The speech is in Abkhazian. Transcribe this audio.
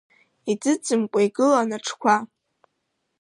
Иӡыӡымкуа игылан аҽқәа.